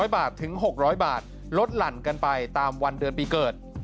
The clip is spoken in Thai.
๐บาทถึง๖๐๐บาทลดหลั่นกันไปตามวันเดือนปีเกิด